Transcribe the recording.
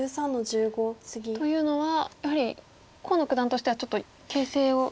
というのはやはり河野九段としてはちょっと優勢を意識してる。